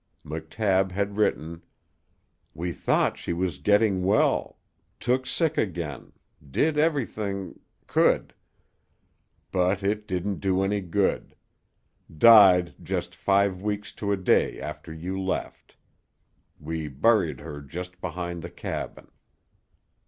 McTabb had written: "We thought she was getting well... took sick again.... did everything... could. But it didn't do any good,... died just five weeks to a day after you left. We buried her just behind the cabin.